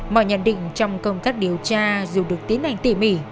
mọi nhận định trong công tác điều tra dù được tiến hành tỉ mỉ